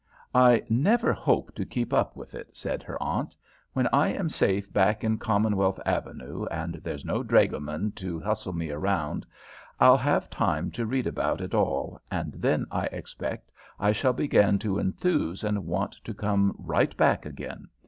"I never hope to keep up with it," said her aunt. "When I am safe back in Commonwealth Avenue, and there's no dragoman to hustle me around, I'll have time to read about it all, and then I expect I shall begin to enthuse and want to come right back again.